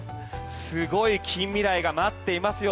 すごい近未来が待っていますよ。